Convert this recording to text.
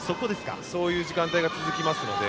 そういう時間帯が続きますので。